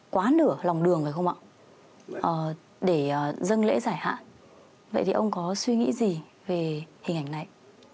quá nửa lòng đường phải không ạ để dân lễ giải hạn vậy thì ông có suy nghĩ gì về hình ảnh này